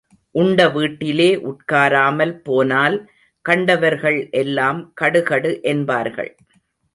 உண்ட வீட்டிலே உட்காராமல் போனால் கண்டவர்கள் எல்லாம் கடுகடு என்பார்கள்.